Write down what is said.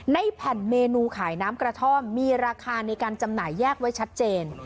ในแผ่นเมนูขายน้ำกระท่อมมีราคาในการจำหน่ายแยกไว้ชัดเจน